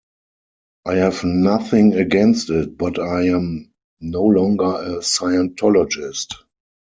I have nothing against it, but I am no longer a Scientologist.